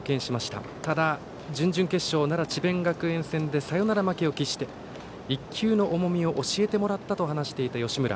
ただ、準々決勝の奈良・智弁学園戦でサヨナラ負けを喫して１球の重みを教えてもらったと話していた吉村。